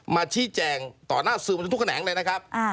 มาชี้แจงต่อหน้าสื่อมวลชนทุกแขนงเลยนะครับ